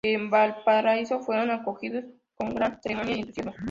En Valparaíso fueron acogidos con gran ceremonia y entusiasmo.